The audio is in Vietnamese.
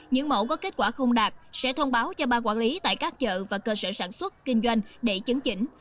những mẫu có kết quả không đạt sẽ thông báo cho ba quản lý tại các chợ và cơ sở sản xuất kinh doanh để chứng chỉnh